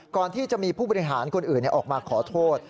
ก่อนที่จะมีผู้บริหารคนอื่นออกมาขอโทษ